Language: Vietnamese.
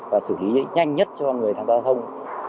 và xử lý nhanh nhất cho người tham gia giao thông